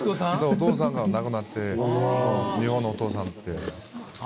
お父さんが亡くなって日本のお父さんって。